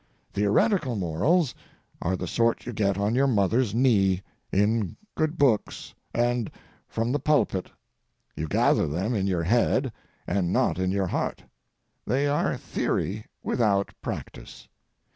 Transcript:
Theoretical morals are the sort you get on your mother's knee, in good books, and from the pulpit. You gather them in your head, and not in your heart; they are theory without practice.